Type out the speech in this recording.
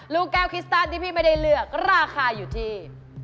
ลูกแก้วคิสตันที่พี่ไม่ได้เลือกราคาอยู่ที่